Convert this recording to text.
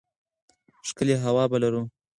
ښکلې هوا به ولرو.